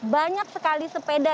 banyak sekali sepeda